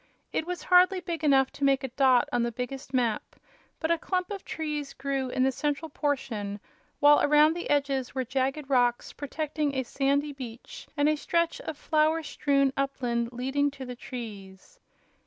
It was hardly big enough to make a dot on the biggest map, but a clump of trees grew in the central portion, while around the edges were jagged rocks protecting a sandy beach and a stretch of flower strewn upland leading to the trees.